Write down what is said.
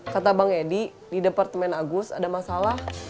kata bang edi di departemen agus ada masalah